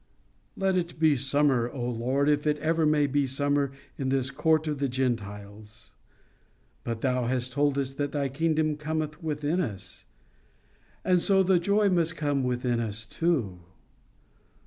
Let it be summer, O Lord, if it ever may be summer in this court of the Gentiles. But Thou hast told us that Thy kingdom cometh within us, and so Thy joy must come within us too.